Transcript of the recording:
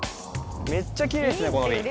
めっちゃきれいですね。